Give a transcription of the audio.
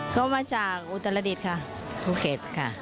ก็มาจากอุตรดิษฐ์ค่ะภูเก็ตค่ะ